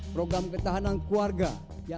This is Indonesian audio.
program ketahanan keluarga